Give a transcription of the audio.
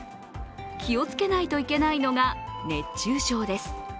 気をつけないといけないのが熱中症です。